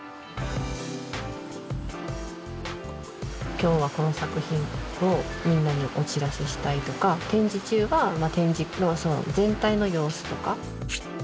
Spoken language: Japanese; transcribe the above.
今日はこの作品をみんなにお知らせしたいとか展示中は展示のその全体の様子とか。